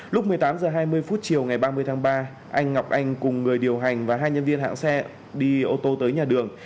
lúc một mươi tám h hai mươi phút chiều ngày ba mươi tháng ba anh ngọc anh cùng người điều hành và hai nhân viên hãng xe đi ô tô tới nhà đường